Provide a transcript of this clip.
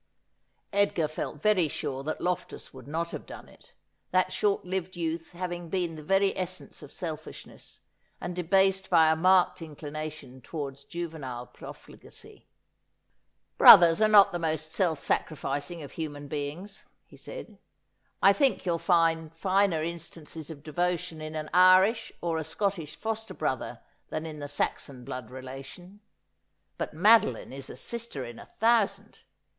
Edgar felt very sure that Loftus would not have done it ; that short lived youth having been the very essence of selfish ness, and debased by a marked inclination towards juvenile pro fligacy. ' brothers are not the most self sacrificing of human beings,' he said. ' I think you'll find finer instances of devotion in an Irish or a Scottish foster brother than in the Saxon blood relation. But Madeline is a sister in a thousand.